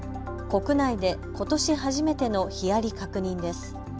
国内でことし初めてのヒアリ確認です。